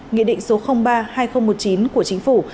nghị định số ba hai nghìn một mươi chín của chính phủ